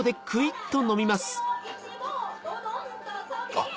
あっ。